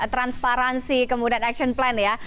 transparansi kemudian action plan ya